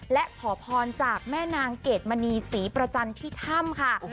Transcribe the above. และขอพรจากแม่นางเกดมณีศรีประจันทร์ที่ถ้ำค่ะ